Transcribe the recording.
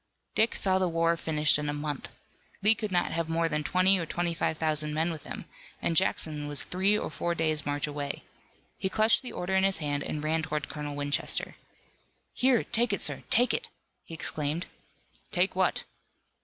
Dick saw the war finished in a month. Lee could not have more than twenty or twenty five thousand men with him, and Jackson was three or four days' march away. He clutched the order in his hand and ran toward Colonel Winchester. "Here, take it, sir! Take it!" he exclaimed. "Take what?"